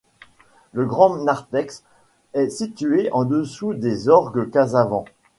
Le grand narthex est situé en dessous des orgues Casavant.